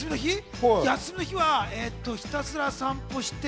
休みの日はひたすら散歩して。